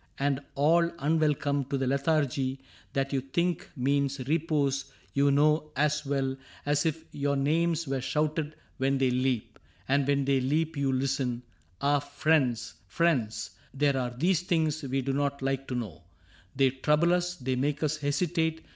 And all unwelcome to the lethargy That you think means repose, you know as well 64 CAPTAIN CRAIG As if your names were shouted when they leap, And when they leap you listen. — Ah ! friends, friends, There are these things we do not like to know r They trouble us, they make us hesitate.